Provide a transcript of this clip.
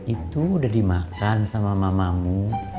itu udah dimakan sama mamamu